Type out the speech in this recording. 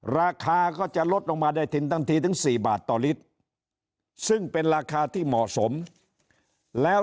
ราคาก็จะลดออกมาได้ถึง๔บาทต่อฤทธิ์ซึ่งเป็นราคาที่เหมาะสมแล้ว